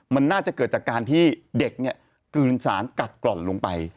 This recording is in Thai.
มันน่าจะเกิดจากการที่เด็กเนี่ยกลืนสารกัดกร่อนลงไป